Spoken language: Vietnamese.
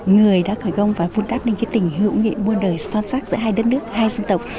người đã khởi công và vun đắp nên cái tình hữu nghị muôn đời son sắc giữa hai đất nước hai dân tộc